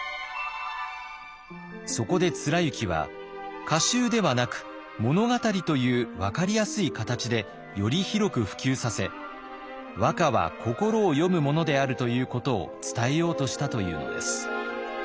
そこで貫之は歌集ではなく物語という分かりやすい形でより広く普及させ和歌は心を詠むものであるということを伝えようとしたというのです。